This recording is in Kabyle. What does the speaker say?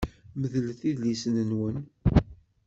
Medlet idlisen-nwen.